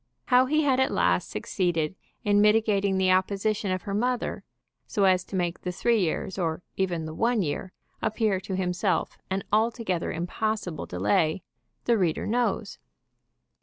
How he had at last succeeded in mitigating the opposition of her mother, so as to make the three years, or even the one year, appear to himself an altogether impossible delay, the reader knows.